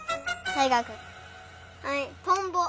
はいトンボ。